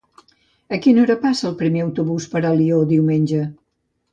A quina hora passa el primer autobús per Alió diumenge?